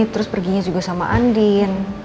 terus perginya juga sama andin